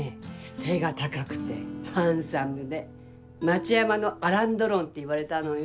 背が高くてハンサムで町山のアラン・ドロンっていわれたのよ。